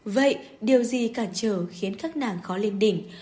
vậy điều gì cản trở khiến các nàng khó lên đỉnh